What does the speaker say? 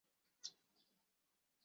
迈向下一个千禧年